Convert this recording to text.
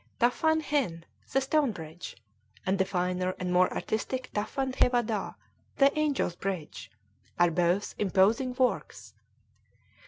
Taphan Hin ("the Stone Bridge") and the finer and more artistic Taphan Thevadah ("the Angel's Bridge") are both imposing works.